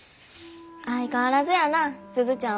相変わらずやな鈴ちゃんは。